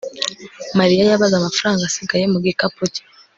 mariya yabaze amafaranga asigaye mu gikapu cye